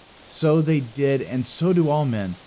So they did, and so do all men.